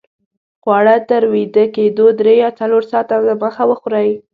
خواړه تر ویده کېدو درې یا څلور ساته دمخه وخورئ